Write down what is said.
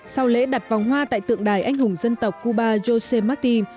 sau lễ đặt vòng hoa tại tượng đài anh hùng dân tộc cuba josé martín